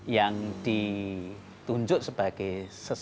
yang ditunjuk sebagai seorang